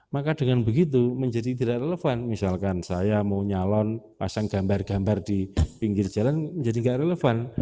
maka dengan begitu menjadi tidak relevan misalkan saya mau nyalon pasang gambar gambar di pinggir jalan menjadi nggak relevan